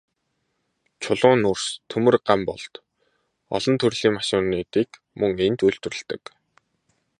Чулуун нүүрс, төмөр, ган болд, олон төрлийн машинуудыг мөн энд үйлдвэрлэдэг.